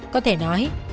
có thể nói